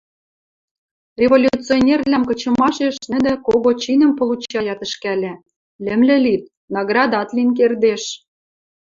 Революционервлӓм кычымашеш нӹнӹ кого чинӹм получаят ӹшкӓлӓ, лӹмлӹ лит, наградат лин кердеш.